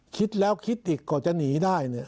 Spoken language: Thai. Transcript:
คิดแล้วคิดอีกกว่าจะหนีได้เนี่ย